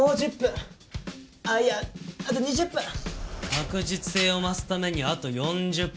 確実性を増すためにあと４０分。